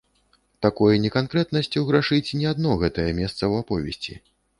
Такой неканкрэтнасцю грашыць не адно гэтае месца ў аповесці.